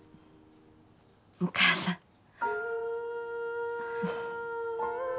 お母さん。